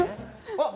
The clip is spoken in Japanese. あっ！